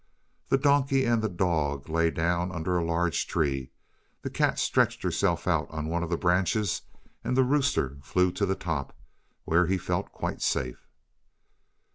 The donkey and the dog lay down under a large tree, the cat stretched herself out on one of the branches, and the rooster flew to the top, where he felt quite safe.